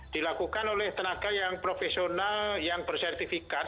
dilakukan oleh tenaga yang profesional yang bersertifikat